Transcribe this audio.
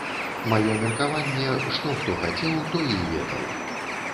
Маё меркаванне, што хто хацеў, той і ведаў.